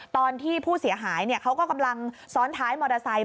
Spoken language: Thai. ตอนที่ผู้เสียหายเขาก็กำลังซ้อนท้ายมอเตอร์ไซค์